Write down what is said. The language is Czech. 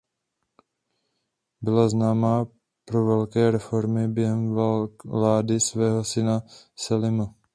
Byla známá pro velké reformy během vlády svého syna Selima.